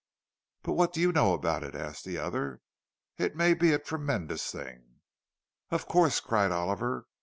"But what do you know about it?" asked the other. "It may be a tremendous thing." "Of course!" cried Oliver.